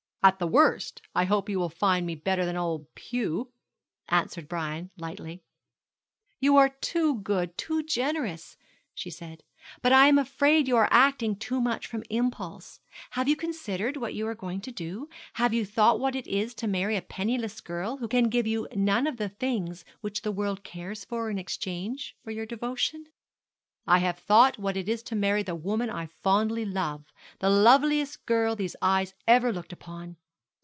'At the worst, I hope you will find me better than old Pew,' answered Brian, lightly. 'You are too good too generous,' she said; 'but I am afraid you are acting too much from impulse. Have you considered what you are going to do? have you thought what it is to marry a penniless girl, who can give you none of the things which the world cares for in exchange for your devotion?' 'I have thought what it is to marry the woman I fondly love, the loveliest girl these eyes ever looked upon.